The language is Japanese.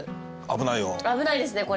危ないですねこれ。